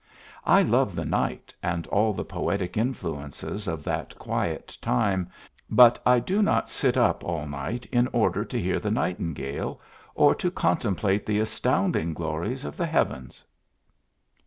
I love the night and all the poetic influences of that quiet time, but I do not sit up all night in order to hear the nightingale or to contemplate the astounding glories of the heavens.